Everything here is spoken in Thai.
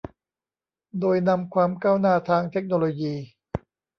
โดยนำความก้าวหน้าทางเทคโนโลยี